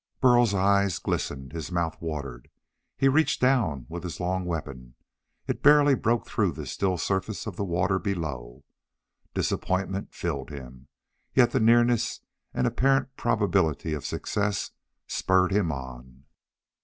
Burl's eyes glistened; his mouth watered. He reached down with his long weapon. It barely broke through the still surface of the water below. Disappointment filled him, yet the nearness and apparent probability of success spurred him on.